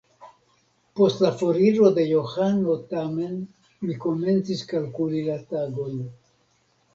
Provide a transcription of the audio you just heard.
Post la foriro de Johano tamen mi komencis kalkuli la tagojn.